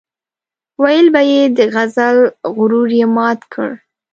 ويل به يې د غزل غرور یې مات کړ.